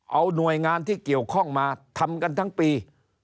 เอาหน่วยงานที่เกี่ยวข้องมาทำกันทั้งปี